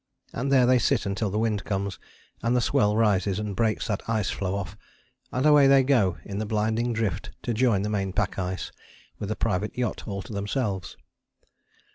And there they sit until the wind comes, and the swell rises, and breaks that ice floe off; and away they go in the blinding drift to join the main pack ice, with a private yacht all to themselves.